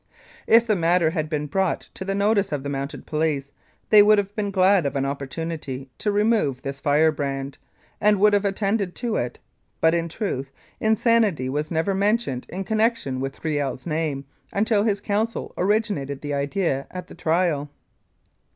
If the matter had ever been brought to the notice of the Mounted Police they would have been glad of an opportunity to remove this firebrand, and would have attended to it, but, in truth, insanity was never mentioned in connection with Kiel's name until his counsel originated the idea at the trial.